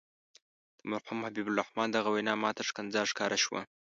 د مرحوم حبیب الرحمن دغه وینا ماته ښکنځا ښکاره شوه.